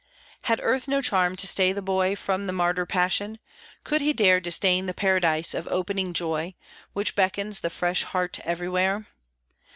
Had Earth no charm to stay the Boy From the martyr passion? Could he dare Disdain the Paradise of opening joy Which beckons the fresh heart everywhere?